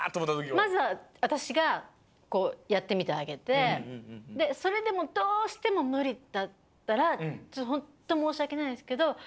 まずはわたしがやってみてあげてそれでもどうしてもむりだったらホントもうしわけないんですけど